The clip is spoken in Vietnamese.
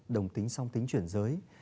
đồng tính xong tính chuyển giới